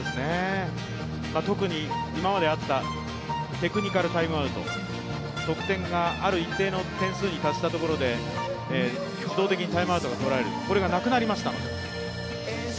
特に今まであったテクニカルタイムアウト得点がある一定の点数に達したところで自動的にタイムアウトが取られるこれがなくなりました。